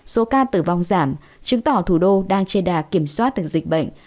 số ca tử vong giảm chứng tỏ thủ đô đang chê đà kiểm soát được dịch bệnh